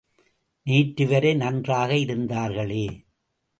நேற்றுவரை நன்றாக இருந்தார்களே!